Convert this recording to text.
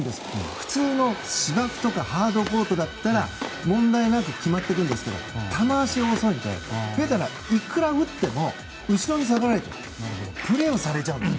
普通の芝生とかハードコートだったら問題なく決まっているんですけど球足が遅いのでフェデラーがいくら打っても後ろに下がられてプレーをされちゃうんです。